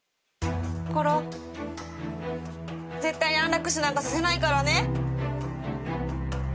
コロ絶対に安楽死なんかさせないからね。